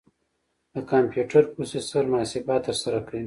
د کمپیوټر پروسیسر محاسبات ترسره کوي.